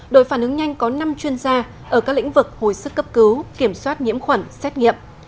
đội phản ứng nhanh có năm chuyên gia ở các lĩnh vực hồi sức cấp cứu kiểm soát nhiễm khuẩn xét nghiệm